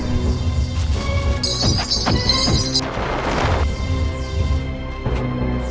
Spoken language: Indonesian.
kami akan mencari raden pemalarasa